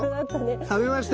食べました！